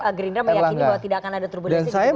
jadi gerindra meyakini bahwa tidak akan ada turbulensi